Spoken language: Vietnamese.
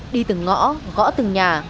đi từng ngõ gõ từng nhà